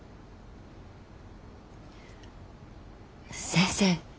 先生